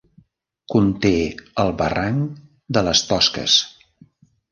Conté el barranc de les Tosques.